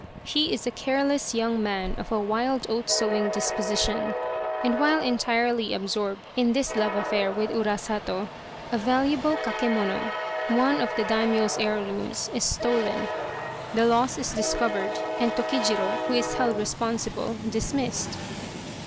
He is a careless young man of a wild oat sowing disposition, and while entirely absorbed in this love affair with Urasato, a valuable kakemono, one of the Daimyo's heirlooms, is stolen. The loss is discovered and Tokijiro, who is held responsible, dismissed.